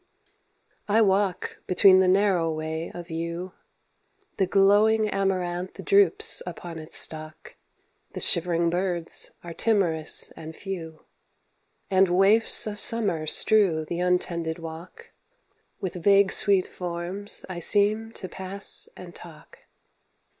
I walk between the narrow way of yew. The glowing amaranth droops upon its stalk, The shivering birds are timorous and few, And waifs of Summer strew th' untended walk; With vague sweet forms I seem to pass and talk.